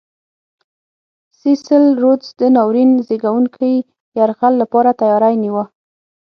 سیسل رودز د ناورین زېږوونکي یرغل لپاره تیاری نیوه.